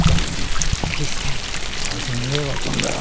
あいつ逃げやがったんだよ。